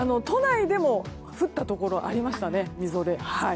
都内でも降ったところありましたね。